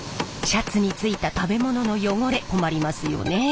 シャツについた食べ物の汚れ困りますよね？